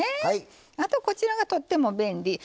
あと、こちらが、とっても便利。